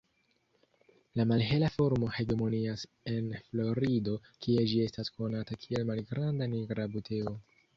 La malhela formo hegemonias en Florido, kie ĝi estas konata kiel "malgranda nigra buteo".